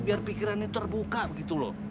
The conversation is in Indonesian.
biar pikirannya terbuka begitu loh